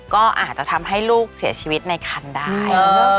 ก็อาจจะทำให้ลูกเสียชีวิตในคันได้